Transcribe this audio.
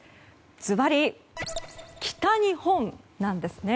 ズバリ北日本なんですね。